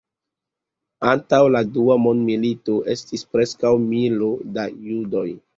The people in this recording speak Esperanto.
Antaŭ la Dua Mondmilito estis preskaŭ milo da judoj.